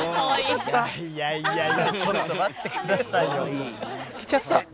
いやいやいやちょっと待ってくださいよ来ちゃった